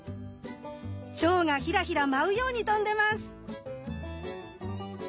チョウがヒラヒラ舞うように飛んでます。